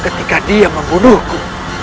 ketika dia membunuhku